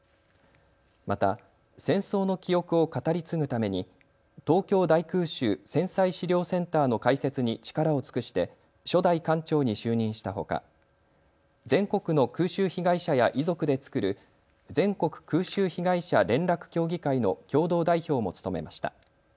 また戦争の記憶を語り継ぐために東京大空襲・戦災資料センターの開設に力を尽くして初代館長に就任したほか全国の空襲被害者や遺族で作る全国空襲被害者連絡協議会の共同代表も務めました。